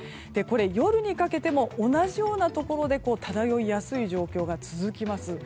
夜にかけても同じようなところで漂いやすい状況が続きます。